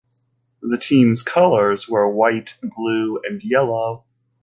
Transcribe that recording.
The team's colors were white, blue and yellow.